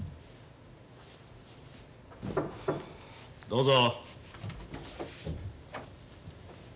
どうぞ。